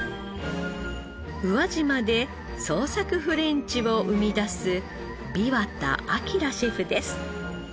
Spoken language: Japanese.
宇和島で創作フレンチを生み出す枇杷田陽シェフです。